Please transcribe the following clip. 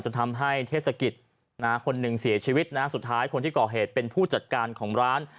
จนทำให้เทศกิจคนหนึ่งเสียชีวิตนะสุดท้ายคนที่ก่อเหตุเป็นผู้จัดการของร้าน